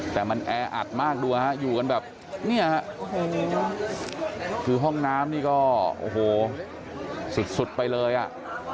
แต่มันแออัดมากดูฮะอยู่กันแบบเนี่ยฮะคือห้องน้ำนี่ก็โอ้โหสุดสุดไปเลยอ่ะ